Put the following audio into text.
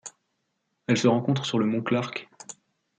Elle se rencontre sur le mont Clarke.